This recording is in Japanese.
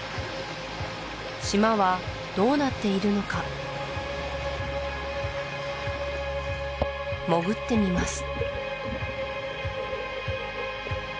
島はどうなっているのか潜ってみます